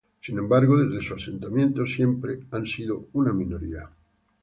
Sin embargo, desde su asentamiento, siempre han sido una minoría.